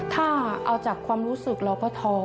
ถ้าเอาจากความรู้สึกเราก็ท้อ